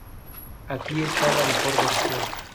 Aquí está la mejor versión.